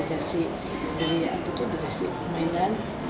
dari apa itu dari mainan